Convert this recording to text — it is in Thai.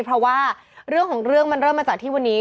เพราะว่าเรื่องของเรื่องมันเริ่มมาจากที่วันนี้